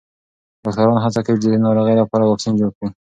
ډاکټران هڅه کوي چې د دې ناروغۍ لپاره واکسین جوړ کړي.